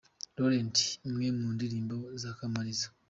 Laurette, imwe mu ndirimbo za Kamaliza.